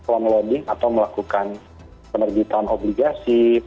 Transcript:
lon loading atau melakukan penerbitan obligasi